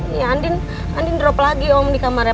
nih andin drop lagi om di kamarnya